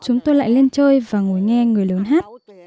chúng tôi lại lên chơi và ngồi nghe người lớn hát